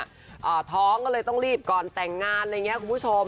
อ่าท้องก็เลยต้องรีบก่อนแต่งงานอะไรอย่างเงี้ยคุณผู้ชม